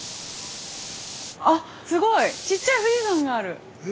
あっ、すごい、ちっちゃい富士山がある。